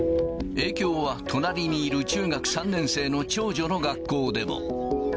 影響は隣にいる中学３年生の長女の学校でも。